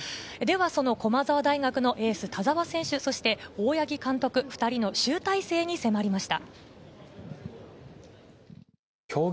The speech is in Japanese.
駒澤大学のエース・田澤選手、大八木監督、２人の集大成に迫りました。